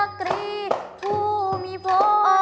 ธรรมดา